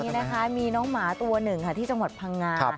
นี่นะคะมีน้องหมาตัวหนึ่งค่ะที่จังหวัดพังงา